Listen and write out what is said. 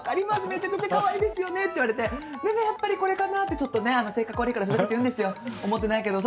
めちゃくちゃかわいいですよね」って言われて「でもやっぱりこれかな」ってちょっとね性格悪いからふざけて言うんですよ思ってないけど。